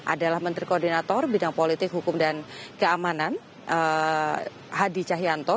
adalah menteri koordinator bidang politik hukum dan keamanan hadi cahyanto